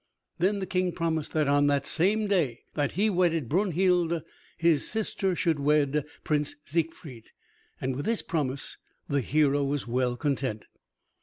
Then the King promised that on the same day that he wedded Brunhild, his sister should wed Prince Siegfried, and with this promise the hero was well content.